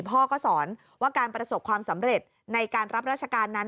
พ่อก็สอนว่าการประสบความสำเร็จในการรับราชการนั้น